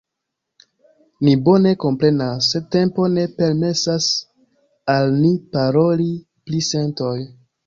Ni bone komprenas, sed tempo ne permesas al ni paroli pri sentoj.